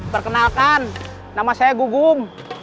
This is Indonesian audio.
perkenalkan nama saya gugum